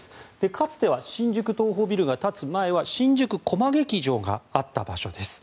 かつては新宿東宝ビルが建つ前は新宿コマ劇場があった場所です。